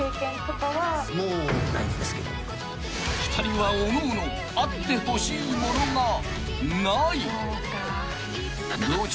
［２人はおのおのあってほしいものがない］